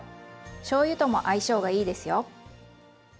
しょうゆとも相性がいいですよ。